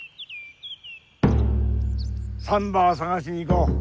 サンバさがしに行こう。